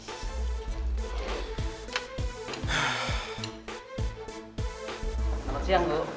selamat siang bu